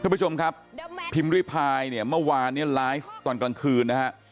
คุณผู้ชมครับพิมพ์ริพายเนี่ยเมื่อวานเนี่ยไลฟ์ตอนกลางคืนนะฮะ